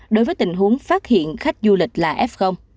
đối với tình huống phát hiện khách du lịch là f